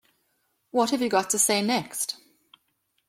What have you got to say next?